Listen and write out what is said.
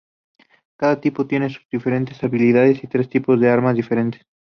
Cada tipo tiene sus diferentes habilidades y tres tipos de armas diferentes.